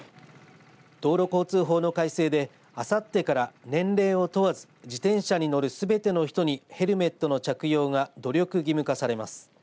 道路交通法の改正であさってから年齢を問わず自転車に乗るすべての人にヘルメットの着用が努力義務化されます。